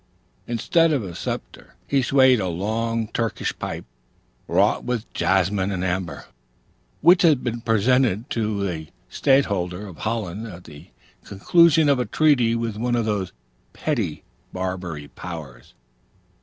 Instead of a scepter, he swayed a long Turkish pipe, wrought with jasmin and amber, which had been presented to a stadtholder of Holland at the conclusion of a treaty with one of the petty Barbary powers.